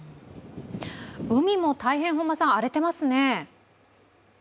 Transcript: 海も大変荒れていますね？